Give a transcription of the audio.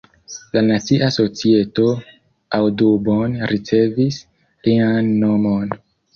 La Nacia Societo Audubon ricevis lian nomon.